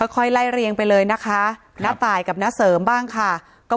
ค่อยไล่เรียงไปเลยนะคะณตายกับน้าเสริมบ้างค่ะก็